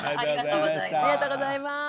ありがとうございます。